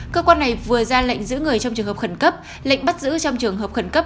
cơ quan này vừa ra lệnh giữ người trong trường hợp khẩn cấp lệnh bắt giữ trong trường hợp khẩn cấp